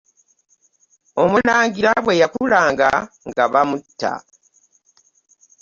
Omulangira bwe yakulanga nga bamutta.